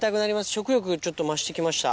食欲ちょっと増して来ました。